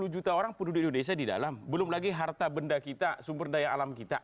dua puluh juta orang penduduk di indonesia di dalam belum lagi harta benda kita sumber daya alam kita